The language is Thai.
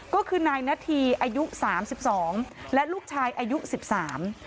ก็คือนายนาธีอายุสามสิบสองและลูกชายอายุสิบสาม